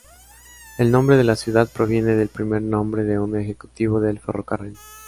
El nombre de la ciudad proviene del primer nombre de un ejecutivo del ferrocarril.